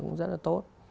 cũng rất là tốt